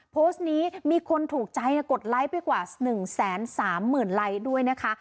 โพสต์นี้มีคนถูกใจกดไลค์ไปกว่า๑๓๐๐๐ไลค์ด้วยนะคะ